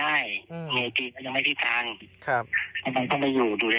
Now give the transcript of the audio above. แล้วก็สามารถส้อนเค้าได้อยู่กับแม่